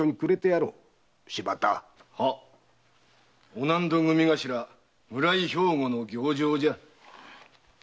御納戸組頭村井兵庫の行状じゃ。